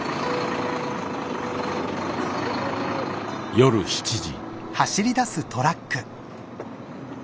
夜７時。